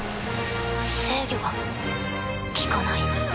制御が利かない。